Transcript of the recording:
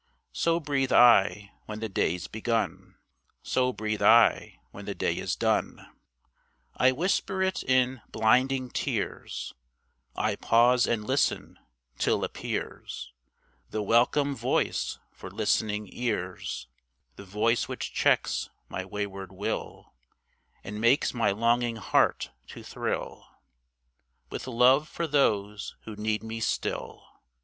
So breathe I when the day's begun, So breathe I when the day is done. I whisper it in blinding tears, I pause and listen, till appears The welcome voice for listening ears; The voice which checks my wayward will And makes my longing heart to thrill With love for those who need me still.